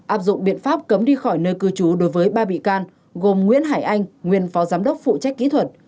áp dụng biện pháp cấm đi khỏi nơi cư trú đối với ba bị can gồm nguyễn hải anh nguyên phó giám đốc phụ trách kỹ thuật